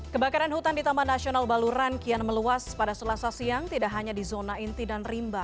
kebakaran hutan di taman nasional baluran kian meluas pada selasa siang tidak hanya di zona inti dan rimba